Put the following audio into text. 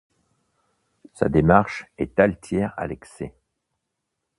Sa démarche est altière à l'excès.